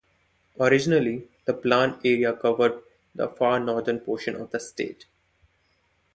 Originally, the plan area covered the far northern portion of the state.